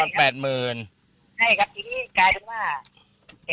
ใช่ครับทีนี้กลายเป็นว่า